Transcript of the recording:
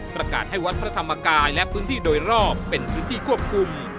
ประกาศให้วัดพระธรรมกายและพื้นที่โดยรอบเป็นพื้นที่ควบคุม